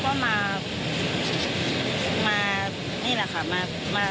เค้ามาทำยังไงเค้าเป็นคนที่มีสาร